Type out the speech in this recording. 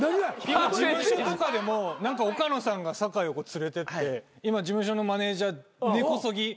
今事務所とかでも岡野さんが酒井を連れてって今事務所のマネジャー根こそぎ祝儀持ってってます。